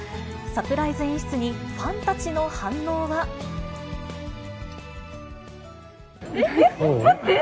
サプライズ演出にファンたちの反応は。え？